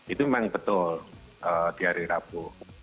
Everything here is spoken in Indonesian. itu memang betul di hari rabu